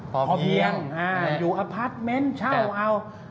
พอเพียงอยู่อพาร์ทเมนต์เช่าเอา